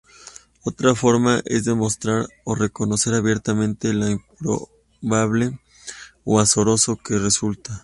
Otra forma es demostrar o reconocer abiertamente lo improbable o azaroso que resulta.